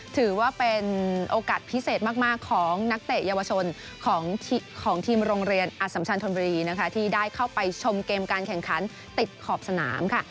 ถือว่าเป็นโอกาสพิเศษมากของนักเตะเยาวชนของทีมโรงเรียนอสัมชันธนบุรีนะคะที่ได้เข้าไปชมเกมการแข่งขันติดขอบสนามค่ะ